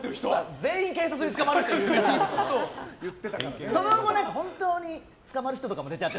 全員、警察に捕まるって。